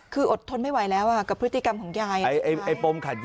คืออดทนไม่ไหวแล้วกับพฤติกรรมของยายปมขัดแย